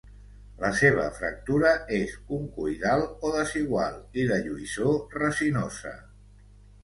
La seva fractura és concoidal o desigual i la lluïssor resinosa.